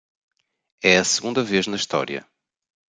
É a segunda vez na história